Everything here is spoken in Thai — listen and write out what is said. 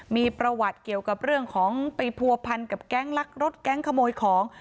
มีประวัติเกี่ยวกับเรื่องของไปผัวพันกับแก๊งลักรถแก๊งขโมยของ